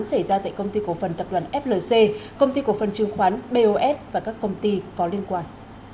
xảy ra tại công ty cổ phần tập đoàn flc công ty cổ phần chứng khoán bos và các công ty có liên quan